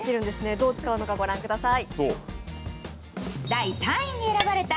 どう使うのか御覧ください。